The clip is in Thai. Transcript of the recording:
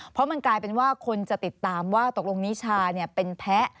เพราะมันกลายเป็นว่าคนจะติดตามว่าตกลงนิชาเป็นแพ้